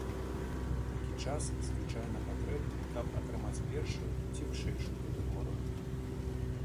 Такі час звычайна патрэбны, каб атрымаць першую ці вышэйшую катэгорыю.